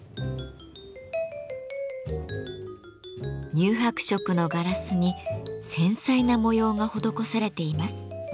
乳白色のガラスに繊細な模様が施されています。